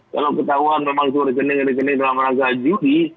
kalau ketahuan memang itu rekening rekening dalam rangka judi